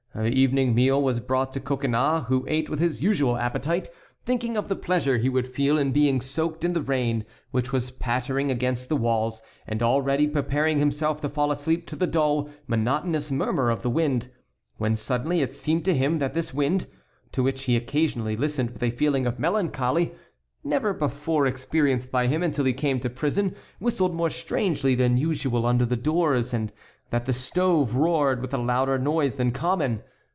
The evening meal was brought to Coconnas, who ate with his usual appetite, thinking of the pleasure he would feel in being soaked in the rain, which was pattering against the walls, and already preparing himself to fall asleep to the dull, monotonous murmur of the wind, when suddenly it seemed to him that this wind, to which he occasionally listened with a feeling of melancholy never before experienced by him until he came to prison, whistled more strangely than usual under the doors, and that the stove roared with a louder noise than common.